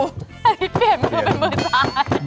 อภิษฐ์เปลี่ยนมือมาเป็นมือซ้าย